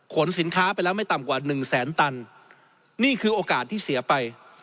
สินค้าไปแล้วไม่ต่ำกว่าหนึ่งแสนตันนี่คือโอกาสที่เสียไป